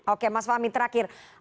oke mas fahmi terakhir